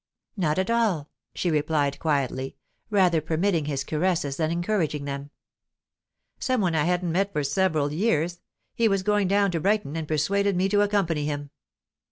"Not at all," she replied quietly, rather permitting his caresses than encouraging them. "Some one I hadn't met for several years. He was going down to Brighton, and persuaded me to accompany him.